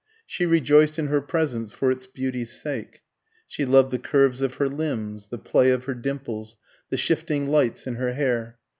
She rejoiced in her presence for its beauty's sake. She loved the curves of her limbs, the play of her dimples, the shifting lights in her hair.